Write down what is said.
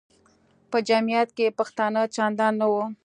په جمیعت کې پښتانه چندان نه وو.